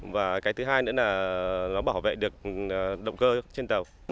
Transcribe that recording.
và cái thứ hai nữa là nó bảo vệ được động cơ trên tàu